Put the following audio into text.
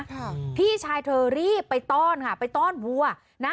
ค่ะพี่ชายเธอรีบไปต้อนค่ะไปต้อนวัวนะ